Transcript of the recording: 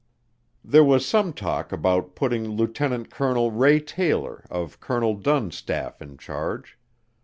There was some talk about putting Lieutenant Colonel Ray Taylor of Colonel Dunn's staff in charge.